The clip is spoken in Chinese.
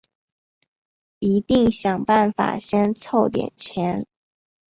一定想办法先凑点钱